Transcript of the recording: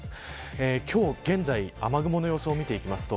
今日、現在雨雲の様子を見ていきます。